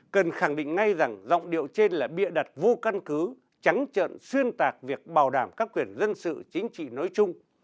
cần khẳng định ngay rằng giọng điệu trên là bịa đặt vô căn cứ trắng trợn xuyên tạc việc bảo đảm các quyền dân sự chính trị nói chung